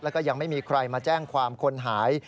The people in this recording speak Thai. แล้วก็ยังไม่มีใครมาแจ้งความคนหาย